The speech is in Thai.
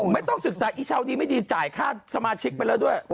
ไม่ดีจ่ายค่าสมาชิกไปแล้วด้วย